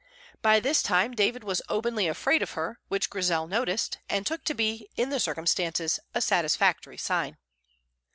By this time David was openly afraid of her, which Grizel noticed, and took to be, in the circumstances, a satisfactory sign.